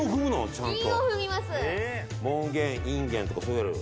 ちゃんと。